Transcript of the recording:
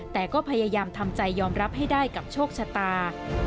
แต่ก็พยายามทำใจยอมรับให้ได้กับโชคชะตา